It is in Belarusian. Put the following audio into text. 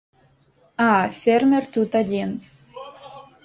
А, фермер тут адзін.